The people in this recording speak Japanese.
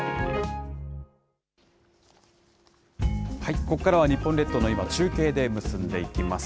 ここからは日本列島の今、中継で結んでいきます。